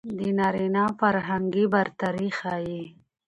د نارينه فرهنګي برتري ښيي.